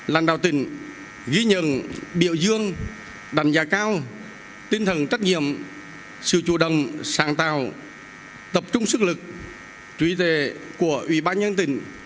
làng đạo tỉnh ghi nhận biểu dương đảm giá cao tinh thần trách nhiệm sự chủ đồng sáng tạo tập trung sức lực trúy tệ của ủy ban nhân tỉnh